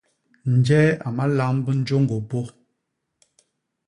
Njee a ma lamb njôñgô pô?